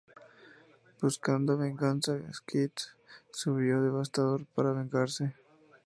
Buscando venganza, Skids subió a Devastator para vengarse.